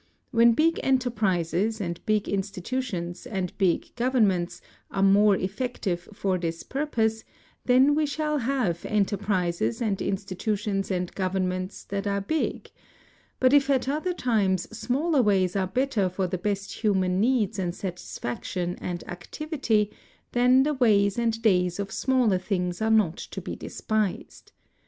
When big enterprises and big institutions and big governments are more effective for this purpose, then we shall have enterprises and institutions and governments that are big; but if at other times smaller ways are better for the best human needs and satisfaction and activity, then the ways and days of smaller things are not to be despised.